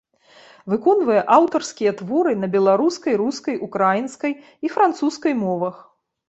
Выконвае аўтарскія творы на беларускай, рускай, украінскай і французскай мовах.